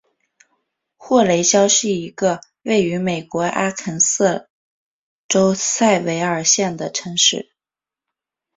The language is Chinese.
霍雷肖是一个位于美国阿肯色州塞维尔县的城市。